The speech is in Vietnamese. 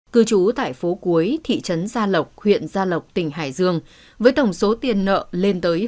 cư trú tại phố cuối thị trấn gia lộc huyện gia lộc tỉnh hải dương với tổng số tiền nợ lên tới hơn bảy tỷ đồng